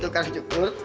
tukang cukur atau ustadz